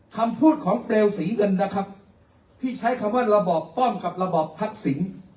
คำพูดของเปลวสีเงินนะครับที่ใช้คำว่าระบอบป้อมกับระบอบทักษิณ